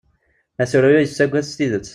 Asaru-a yessagad s tidet.